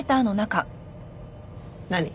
何？